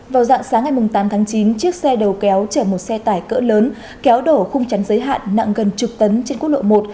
vào dạng sáng ngày tám tháng chín chiếc xe đầu kéo chở một xe tải cỡ lớn kéo đổ khung trắn giới hạn nặng gần chục tấn trên quốc lộ một